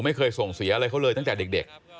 ไม่เคยส่งเสียอะไรเขาเลยตั้งแต่เด็ก